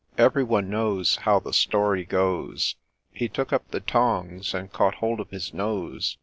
Every one knows How the story goes : He took up the tonga and caught hold of his nose.